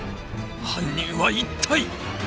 犯人は一体？